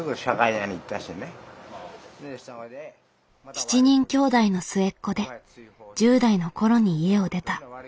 ７人きょうだいの末っ子で１０代の頃に家を出た。